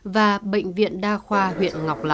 và bệnh viện đa khoa huyện ngọc lập